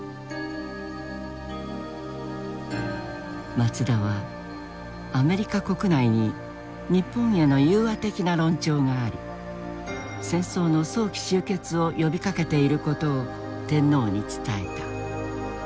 松田はアメリカ国内に日本への融和的な論調があり戦争の早期終結を呼びかけていることを天皇に伝えた。